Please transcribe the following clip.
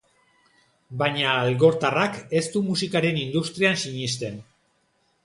Baina algortarrak ez du musikaren industrian sinisten.